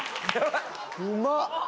うまっ！